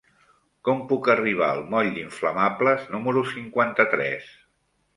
Com puc arribar al moll d'Inflamables número cinquanta-tres?